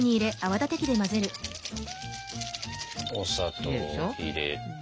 お砂糖を入れて。